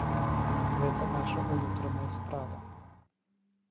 Гэта наша ўнутраная справа.